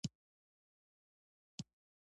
غیر مستقیمه نتیجه بلله.